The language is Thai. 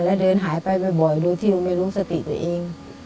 แล้วเดินหายไปบ่อยโดยที่เราไม่รู้สติตัวเอง